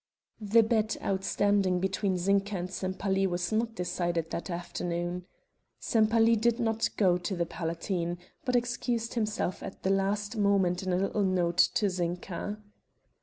The bet outstanding between Zinka and Sempaly was not decided that afternoon. Sempaly did not go to the Palatine, but excused himself at the last moment in a little note to Zinka.